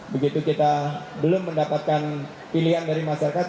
begitu kita belum mendapatkan pilihan dari masyarakat